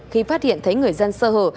khi phát hiện thấy người dân sơ hờ